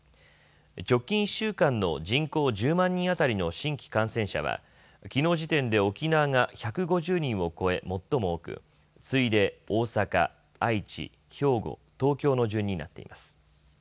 直近１週間の人口１０万人当たりの新規感染者はきのう時点で沖縄が１５０人を超え最も多く次いで大阪、愛知、兵庫、東京の順になっています。